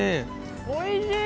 おいしい。